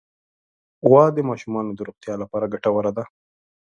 غوا د ماشومانو د روغتیا لپاره ګټوره ده.